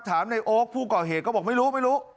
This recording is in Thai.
ในโอ๊คผู้ก่อเหตุก็บอกไม่รู้ไม่รู้